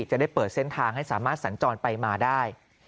จะได้เปิดเส้นทางให้สามารถสัญจรไปมาได้